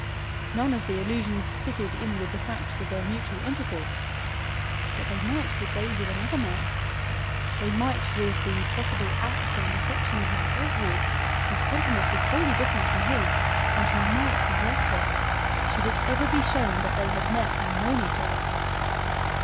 None of the allusions fitted in with the facts of their mutual intercourse. But they might with those of another man; they might with the possible acts and affections of Oswald whose temperament was wholly different from his and who might have loved her, should it ever be shown that they had met and known each other.